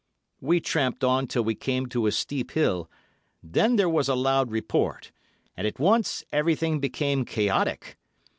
We tramped on till we came to a steep hill, then there was a loud report, and at once everything became chaotic.